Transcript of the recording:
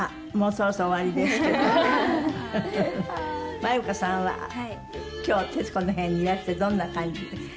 ＭＡＹＵＫＡさんは今日『徹子の部屋』にいらしてどんな感じですか？